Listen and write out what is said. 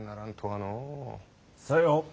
さよう。